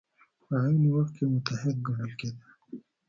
په عین وخت کې یو متحد ګڼل کېده.